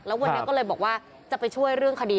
แล้ววันนี้ก็เลยบอกว่าจะไปช่วยเรื่องคดี